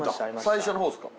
最初の方っすか？